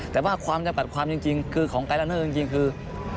แต่ว่าความจำกัดความจริงคือของไกดดันเนอร์จริงคือ